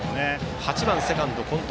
８番セカンド、近藤。